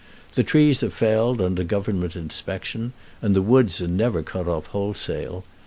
The trees are felled under government inspection, and the woods are never cut off wholesale.